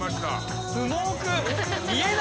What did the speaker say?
スモーク。